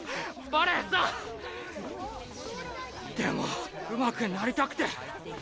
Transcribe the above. バレエさでもうまくなりたくて。